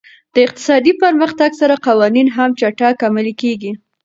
د اقتصادي پرمختګ سره قوانین هم چټک عملي کېږي.